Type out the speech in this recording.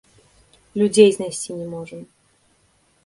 Людзей знайсці не можам!